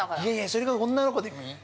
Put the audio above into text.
◆それが女の子でもいい？